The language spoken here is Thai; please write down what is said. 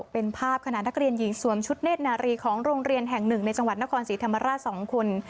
เป็นภาพขณะนักเรียนหญิงสวมชุดเนธนารีของโรงเรียนแห่งหนึ่งในจังหวัดนครศรีธรรมราช๒คน